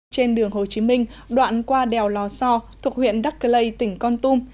trên đường hồ chí minh đoạn qua đèo lò so thuộc huyện đắc cơ lây tỉnh con tum